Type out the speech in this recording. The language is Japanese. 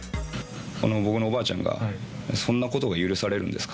僕のおばあちゃんが、そんなことが許されるんですか？